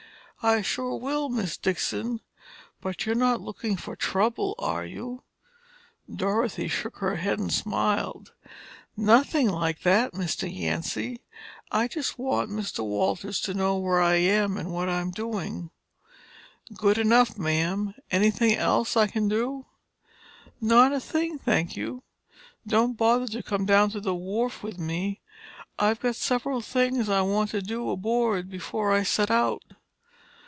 "I sure will, Miss Dixon. But you're not lookin' for trouble, are you?" Dorothy shook her head and smiled. "Nothing like that, Mr. Yancy. I just want Mr. Walters to know where I am and what I'm doing." "Good enough, Mam. Anything else I can do?" "Not a thing, thank you. Don't bother to come down to the wharf with me. I've got several things I want to do aboard before I set out."